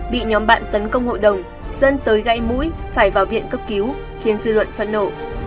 bị nhóm bạn tấn công hội đồng dân tới gãy mũi phải vào viện cấp cứu khiến dư luận phẫn nổ